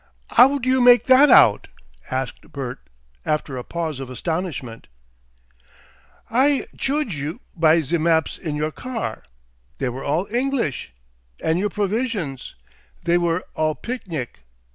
"'Ow d'you make that out?" asked Bert, after a pause of astonishment. "I chuge by ze maps in your car. They were all English. And your provisions. They were all picnic.